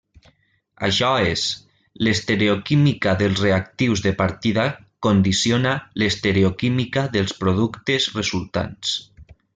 Això és, l'estereoquímica dels reactius de partida condiciona l'estereoquímica dels productes resultants.